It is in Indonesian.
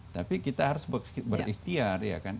tapi kita harus berikhtiar ya kan